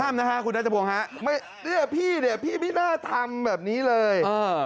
ทำนะคะคุณนัทจับวงฮะนี่พี่พี่ไม่น่าทำแบบนี้เลย